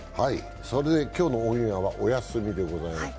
それで今日のオンエアはお休みでございます。